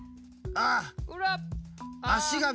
ああ！